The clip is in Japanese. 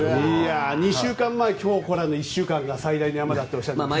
２週間前今日からの１週間が最大の山だとおっしゃるんですね。